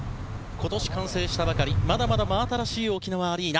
今年完成したばかりまだまだ真新しい沖縄アリーナ。